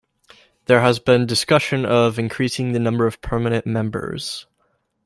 There has been discussion of increasing the number of permanent members.